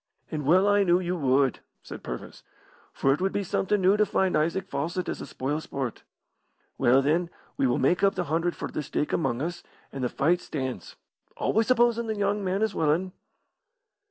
"And well I knew you would," said Purvis, "for it would be somethin' new to find Isaac Fawcett as a spoil sport. Well, then, we will make up the hundred for the stake among us, and the fight stands always supposin' the young man is willin'."